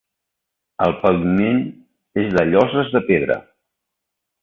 El paviment és de lloses de pedra.